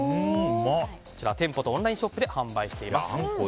こちら店舗とオンラインショップで販売しています。